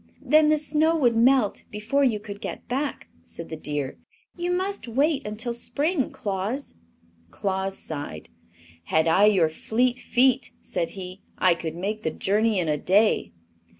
"Then the snow would melt before you could get back," said the deer. "You must wait until spring, Claus." Claus sighed. "Had I your fleet feet," said he, "I could make the journey in a day."